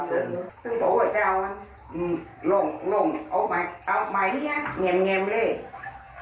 นี่โต๊ะวันเจ้าลงลงเอามานี่เงียมเลย